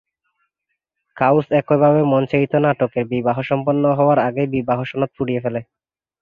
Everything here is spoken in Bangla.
ক্লাউস একইভাবে মঞ্চায়িত নাটকের বিবাহ সম্পন্ন হওয়ার আগেই বিবাহ সনদ পুড়িয়ে ফেলে।